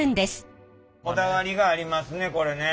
こだわりがありますねこれね。